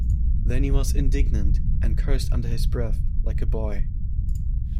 Then he was indignant, and cursed under his breath, like a boy.